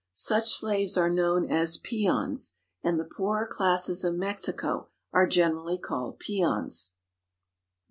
Such slaves are known as peons, and the poorer classes of Mexico are generally called peons.